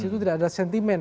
itu tidak ada sentimen